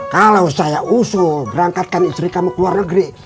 kalau saya usul berangkatkan istri kamu keluar negeri